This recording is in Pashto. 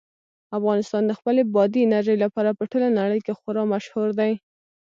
افغانستان د خپلې بادي انرژي لپاره په ټوله نړۍ کې خورا مشهور دی.